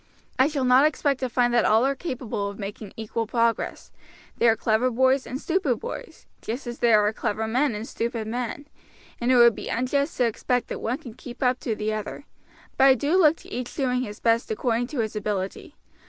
I shall not expect to find that all are capable of making equal progress; there are clever boys and stupid boys, just as there are clever men and stupid men, and it would be unjust to expect that one can keep up to the other; but I do look to each doing his best according to his ability.